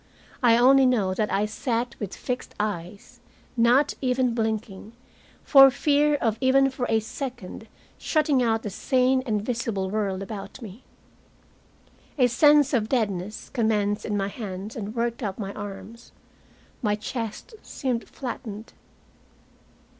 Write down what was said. I only know that I sat with fixed eyes, not even blinking, for fear of even for a second shutting out the sane and visible world about me. A sense of deadness commenced in my hands and worked up my arms. My chest seemed flattened.